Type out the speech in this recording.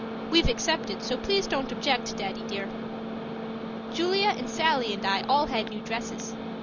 We've accepted, so please don't object, Daddy dear. Julia and Sallie and I all had new dresses.